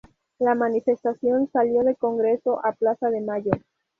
La manifestación salio de Congreso a Plaza de mayo.